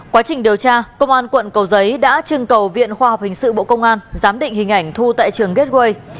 quá trình điều tra công an quận cầu giấy đã trưng cầu viện khoa học hình sự bộ công an giám định hình ảnh thu tại trường gateway